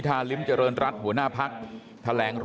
ที่จะต้องเรียกจริง